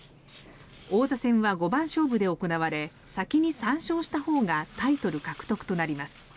王座戦は五番勝負で行われ先に３勝したほうがタイトル獲得となります。